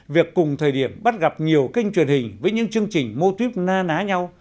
việc cùng thời điểm bắt gặp nhiều kênh truyền hình với những chương trình mô típ na ná nhau